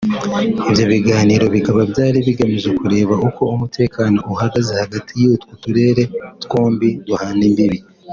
Ibyo biganiro bikaba byari bigamije kureba uko umutekano uhagaze hagati y’utwo turere twombi duhana imbibi